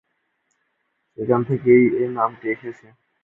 সেখান থেকেই এ নামটি এসেছে।